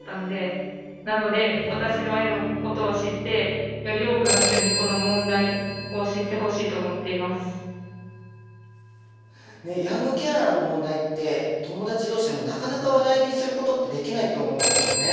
なので私の絵のことを知ってヤングケアラーの問題って友達同士でもなかなか話題にすることってできないと思うんですよね。